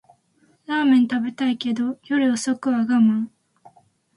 ラーメン食べたいけど夜遅くは我慢